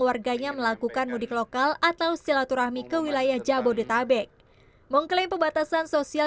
warganya melakukan mudik lokal atau silaturahmi ke wilayah jabodetabek mengklaim pembatasan sosial